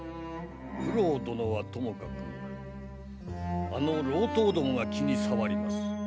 九郎殿はともかくあの郎党どもが気に障ります。